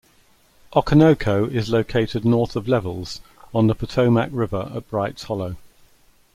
Okonoko is located north of Levels on the Potomac River at Bright's Hollow.